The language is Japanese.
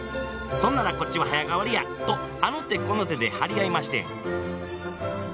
「そんならこっちは早変わりや」とあの手この手で張り合いましてん。